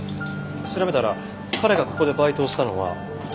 調べたら彼がここでバイトをしたのは１年だけでしたが。